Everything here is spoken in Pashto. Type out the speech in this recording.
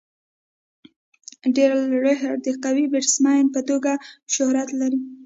ډیرن لیهر د قوي بيټسمېن په توګه شهرت لري.